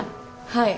はい。